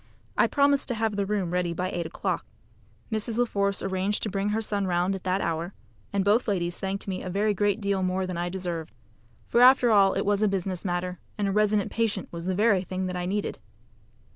I promised to have the room ready by eight o'clock. Mrs. La Force arranged to bring her son round at that hour, and both ladies thanked me a very great deal more than I deserved; for after all it was a business matter, and a resident patient was the very thing that I needed.